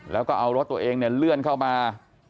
แล้วก็เอารถตัวเองเนี่ยเลื่อนเข้ามา